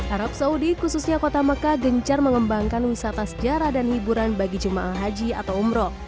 arab saudi khususnya kota mekah gencar mengembangkan wisata sejarah dan hiburan bagi jemaah haji atau umroh